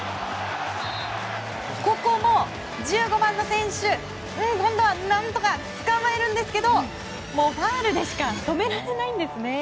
ここも１５番の選手今度は何とか捕まえますがもうファウルでしか止められないんですね。